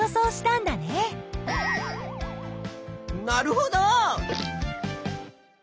なるほど！